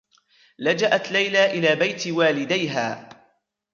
لجأت ليلى إلى بيت والديها.